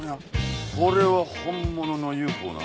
これは本物のＵＦＯな。